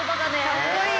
かっこいい！